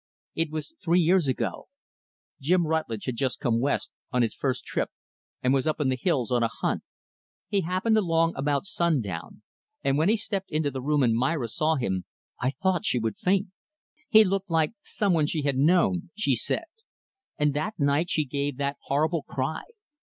It was three years ago. Jim Rutlidge had just come West, on his first trip, and was up in the hills on a hunt. He happened along about sundown, and when he stepped into the room and Myra saw him, I thought she would faint. He looked like some one she had known she said. And that night she gave that horrible cry.